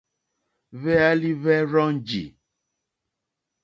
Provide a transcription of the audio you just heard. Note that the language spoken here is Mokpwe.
Hwéálí hwɛ́ rzɔ́njì.